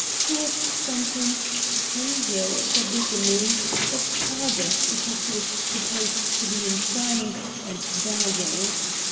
He was sentenced to ten years for bigamy, but pardoned because he was supposed to be insane, and dying.